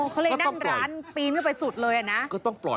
อ้อเค้าเลยดั้งร้านปีนก็ไปสุดเลยอ่ะนะ